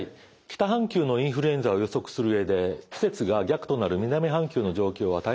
北半球のインフルエンザを予測する上で季節が逆となる南半球の状況は大変参考になります。